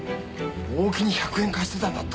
大木に１００円貸してたんだった。